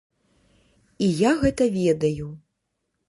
І я гэта ведаю.